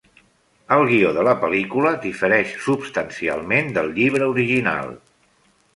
El guió de la pel·lícula difereix substancialment del llibre original.